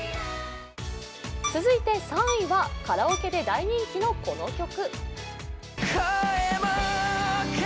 続いて３位は、カラオケで大人気のこの曲。